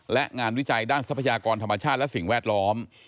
และงานวิจัยด้านทรัพยากรธรรมชาติและสิ่งแวดล้อม